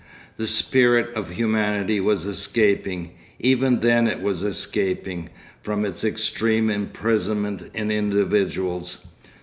The spirit of humanity was escaping, even then it was escaping, from its extreme imprisonment in individuals.